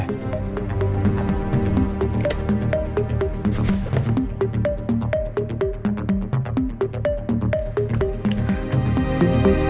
aku mau ke rumah